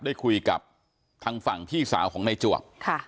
ได้คุยกับทางฝั่งพี่สาวของนายจวบ